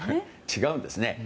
違うんですね。